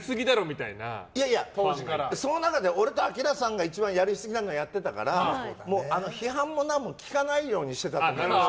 その中で俺とアキラさんが、一番やりすぎなのはやってたから批判も何も聞かないようにしてた。